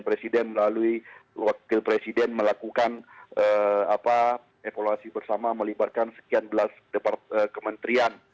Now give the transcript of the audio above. presiden melalui wakil presiden melakukan evaluasi bersama melibatkan sekian belas kementerian